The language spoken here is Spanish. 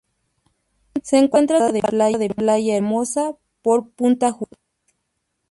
Se encuentra separada de Playa Hermosa por Punta Judas.